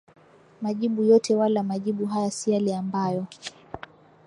majibu yote Wala majibu haya si yale ambayo